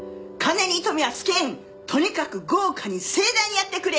とにかく豪華に盛大にやってくれ！